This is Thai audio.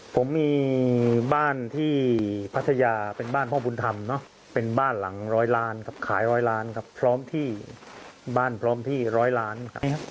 ผมมีบ้านที่พัทยาเป็นบ้านพ่อบุญธรรมเนอะเป็นบ้านหลังร้อยล้านครับขายร้อยล้านครับพร้อมที่บ้านพร้อมที่ร้อยล้านครับ